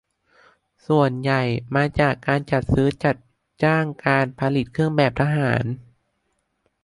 ส่วนใหญ่มาจากการจัดซื้อจัดจ้างการผลิตเครื่องแบบทหาร